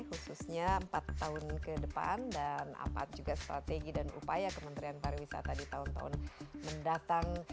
khususnya empat tahun ke depan dan apa juga strategi dan upaya kementerian pariwisata di tahun tahun mendatang